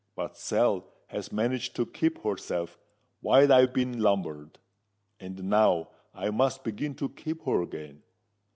But Sal has managed to keep herself while I've been lumbered; and now I must begin to keep her again.